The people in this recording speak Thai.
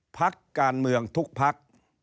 พักการเมืองทุกพัก